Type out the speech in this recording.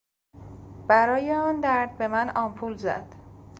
برای آن درد به من آمپول زد.